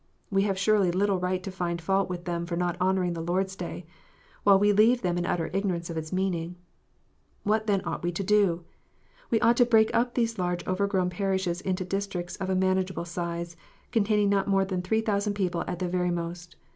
We have surely little right to find fault with them for not honouring the Lord s Day, while we leave them in utter ignorance of its meaning. What then ought we to do ? We ought to break up these large overgrown parishes into districts of a manageable size, containing not more than 3,000 people at the very most.